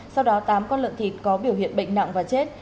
sau đó tám con lợn thịt có biểu hiện bệnh nặng và chết